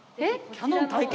キヤノン体験？